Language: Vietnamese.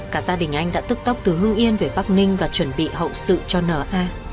cả gia đình anh đã tức tốc từ hương yên về bắc ninh và chuẩn bị hậu sự cho n a